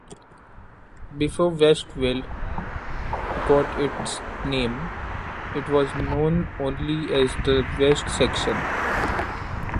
Before Westville got its name, it was known only as the West Section.